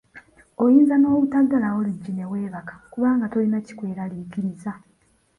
Oyinza n'obutaggalawo luggi ne weebaka, kubanga tolina kikweraliikiriza